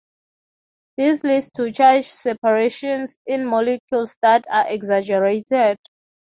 This leads to charge separations in molecules that are exaggerated.